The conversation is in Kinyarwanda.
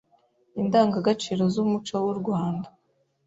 Indangagaciro z’umuco w’u Rwand